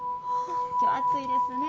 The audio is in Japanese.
今日暑いですね。